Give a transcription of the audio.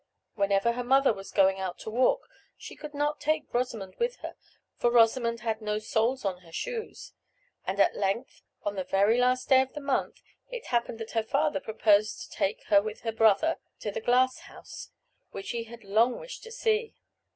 Whenever her mother was going out to walk, she could not take Rosamond with her, for Rosamond had no soles to her shoes; and at length, on the very last day of the month, it happened that her father proposed to take her with her brother to a glass house, which she had long wished to see.